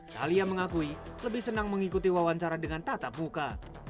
thalia mengakui lebih senang mengikuti wawancara dengan tatap muka